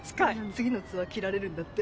次のツアー切られるんだって。